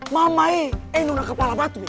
mama e e nona kepala batu ya